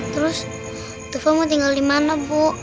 terus tufa mau tinggal dimana bu